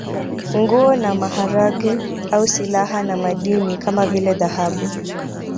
Nguo na maharage au silaha na madini kama vile dhahabu